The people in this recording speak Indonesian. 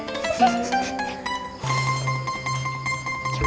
pasti untuk lelaki yang inisialnya o